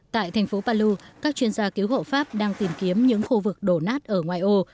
tại thành phố palu các chuyên gia cứu hộ pháp đang tìm kiếm những khu vực đổ nát ở ngoại ô